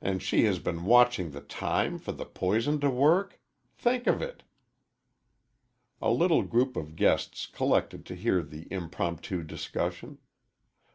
And she has been watching the time for the poison to work think of it!" A little group of guests collected to hear the impromptu discussion.